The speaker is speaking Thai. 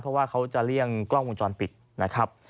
เพราะว่าเขาจะเลี่ยงกล้องวงจรปิดนะครับ